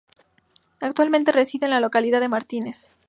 Actualmente, reside en la localidad de Martínez.